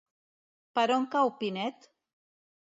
Per on cau Pinet?